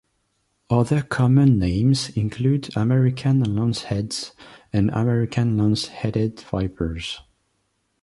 Other common names include American lanceheads and American lance-headed vipers.